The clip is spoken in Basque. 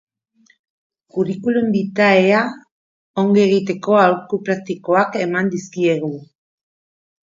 Curriculum vitaea ongi egiteko aholku praktikoak eman dizkigu.